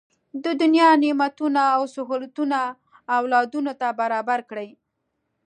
د دنیا نعمتونه او سهولتونه اولادونو ته برابر کړي.